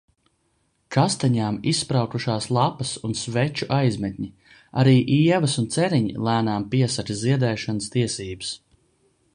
Kastaņām izspraukušās lapas un sveču aizmetņi, arī ievas un ceriņi lēnām piesaka ziedēšanas tiesības.